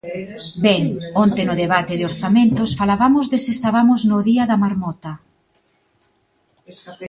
Ben, onte no debate de orzamentos falabamos de se estabamos no día da marmota.